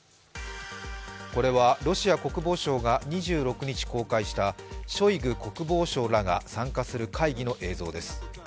これはロシア国防省が２６日公開したショイグ国防相らが参加する会議の映像です。